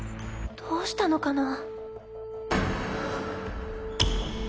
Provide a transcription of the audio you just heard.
どうしたのかな？